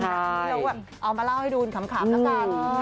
แล้วเราเอามาเล่าให้ดูขำขำแล้วค่ะ